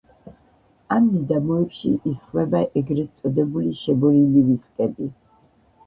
ამ მიდამოებში ისხმება ეგრეთ წოდებული შებოლილი ვისკები.